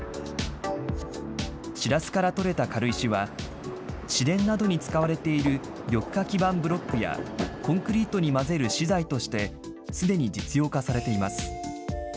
シラスから取れた軽石は、市電などに使われている緑化基盤ブロックや、コンクリートに混ぜる資材として、すでに実用化されています。